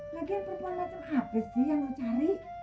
lagi aku cuma nonton hp sih yang lu cari